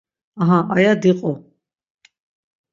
Aha aya diqu.